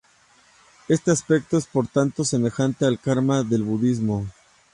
Este aspecto es por lo tanto semejante al karma de budismo.